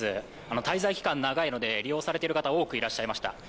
滞在期間長いので利用されている方、多くいらっしゃいました。